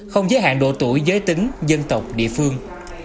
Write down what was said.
không giới hạn độ tuổi giới tính dân tộc địa phương